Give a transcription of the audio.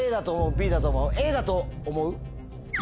Ｂだと思う？